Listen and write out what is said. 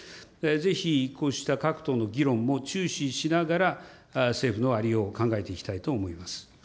ぜひ、こうした各党の議論も注視しながら、政府のありようを考えていきたいと思います。